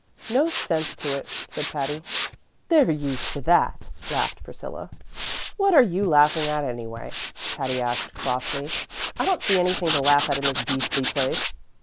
"No sense to it," said Patty. "They're used to that," laughed Priscilla. "What are you laughing at, anyway?" Patty asked crossly. "I don't see anything to laugh at in this beastly place.